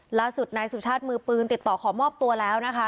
ล่าสุดนายสุชาติมือปืนติดต่อขอมอบตัวแล้วนะคะ